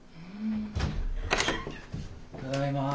ただいま。